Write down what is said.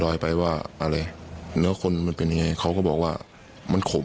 ไปว่าอะไรแล้วคนมันเป็นยังไงเขาก็บอกว่ามันขม